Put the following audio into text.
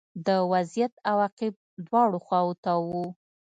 د وضعیت عواقب دواړو خواوو ته وو